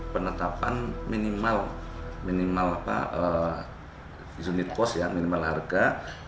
penetapan minimal minimal apa unit cost ya minimal harga